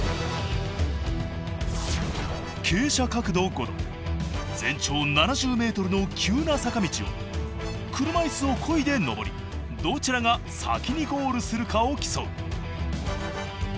傾斜角度５度全長７０ｍの急な坂道を車いすをこいで上りどちらが先にゴールするかを競う。